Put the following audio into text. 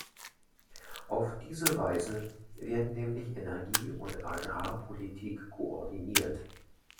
Auf diese Weise werden nämlich Energie- und Agrarpolitik koordiniert.